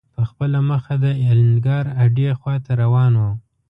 په خپله مخه د الینګار هډې خواته روان و.